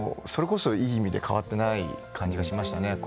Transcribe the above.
いい意味で変わってない感じがしました。